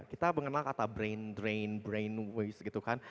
kita mengenal kata brain drain brain waste gitu kan